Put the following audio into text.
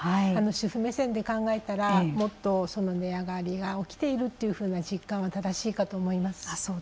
主婦目線で考えたら、もっと値上がりが起きているという実感は正しいかと思います。